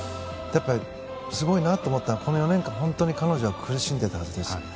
だからすごいなと思ったのはこの４年間、本当に彼女は苦しんでいたはずです。